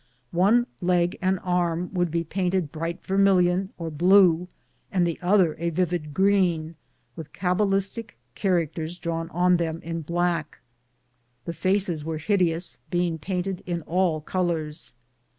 One leg and arm would be painted bright vermilion or blue, and the other a vivid green, with cabalistic characters drawn on them in black. The faces were hideous, being painted in all colors.